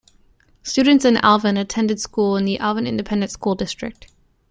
Students in Alvin attend schools in the Alvin Independent School District.